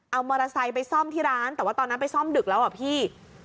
เอามอเตอร์ไซค์ไปซ่อมที่ร้านแต่ว่าตอนนั้นไปซ่อมดึกแล้วอ่ะพี่